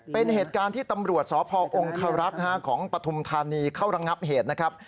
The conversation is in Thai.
เป็นเหตุการณ์ที่ตำรวจสภอครรัฐของปฐธเข้ารังงับเหตุนะครับ